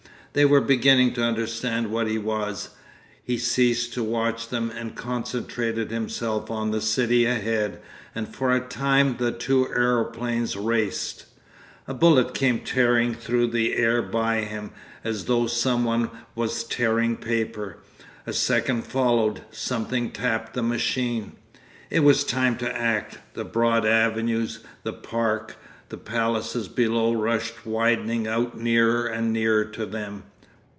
They were beginning to understand what he was. He ceased to watch them and concentrated himself on the city ahead, and for a time the two aeroplanes raced.... A bullet came tearing through the air by him, as though some one was tearing paper. A second followed. Something tapped the machine. It was time to act. The broad avenues, the park, the palaces below rushed widening out nearer and nearer to them.